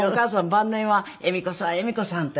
晩年は「恵美子さん恵美子さん」って。